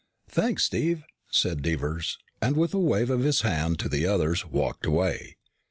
"Thanks, Steve," said Devers, and with a wave of his hand to the others walked away.